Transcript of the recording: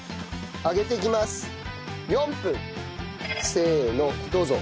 せーのどうぞ。